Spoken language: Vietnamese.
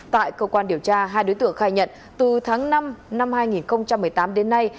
tại cơ quan điều tra hai đối tượng khai nhận từ tháng năm năm hai nghìn một mươi tám đến nay